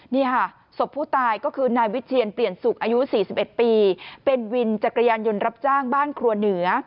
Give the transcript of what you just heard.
นี่ค่ะศพผู้ตายก็คือนายวิเชียนเปลี่ยนสุขอายุ๔๑ปีเป็นวินจักรยานยนต์รับจ้างบ้านครัวเหนือ